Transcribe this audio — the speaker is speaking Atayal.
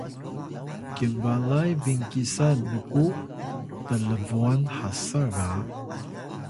kinbalay binkisan nku tlbwan hasa ga